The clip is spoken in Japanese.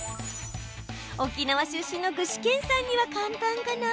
沖縄出身の具志堅さんには簡単かな？